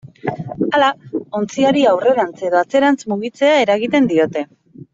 Hala, ontziari aurrerantz edo atzerantz mugitzea eragiten diote.